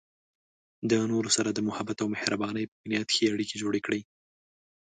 د نورو سره د محبت او مهربانۍ په بنیاد ښه اړیکې جوړې کړئ.